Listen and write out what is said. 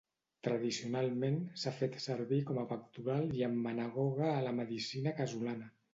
Tradicionalment, s'ha fet servir com a pectoral i emmenagoga a la medicina casolana.